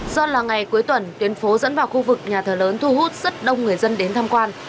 do là ngày cuối tuần tuyến phố dẫn vào khu vực nhà thờ lớn thu hút rất đông người dân đến tham quan